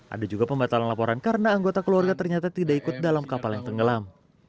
ada juga pembatalan laporan karena anggota keluarga ternyata tidak ikut dalam kapal yang tenggelam